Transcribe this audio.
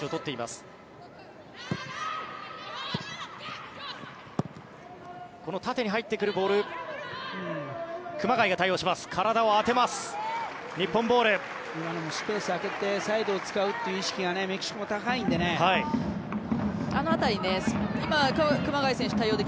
今のスペースを空けてサイドを使うという意識がメキシコも高いので。